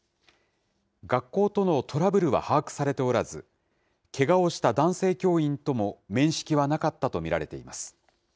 学校とのトラブルは把握されておらず、けがをした男性教員とも面識はなかったと見られています。